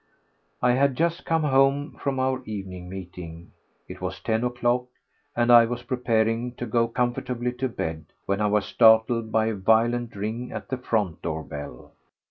I had just come home from our evening meeting—it was then ten o'clock—and I was preparing to go comfortably to bed, when I was startled by a violent ring at the front door bell.